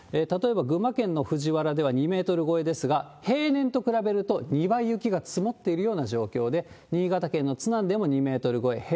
例えば群馬県の藤原では、２メートル超えですが、平年と比べると２倍雪が積もっているような状況で、新潟県の津南でも２メートル超え。